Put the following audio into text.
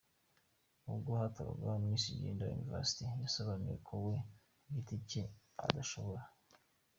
ubwo hatorwaga Miss Gender University, yasobanuye ko we ku giti cye adashobora.